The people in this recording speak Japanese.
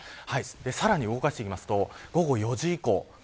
さらに動かしていきますと午後４時以降です。